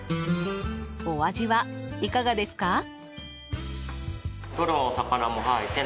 お味は、いかがですか？